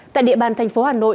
tại địa bàn thành phố hà nội